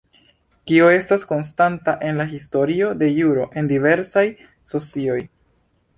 Kio estas konstanta en la historio de juro en diversaj socioj?